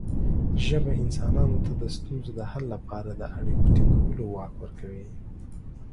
ژبه انسانانو ته د ستونزو د حل لپاره د اړیکو ټینګولو واک ورکوي.